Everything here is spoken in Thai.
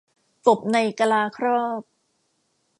กบในกะลาครอบ